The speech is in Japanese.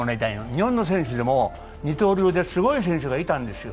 日本の選手でも二刀流ですごい選手がいたんですよ。